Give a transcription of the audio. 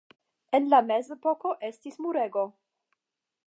En la Mezepoko estis murego.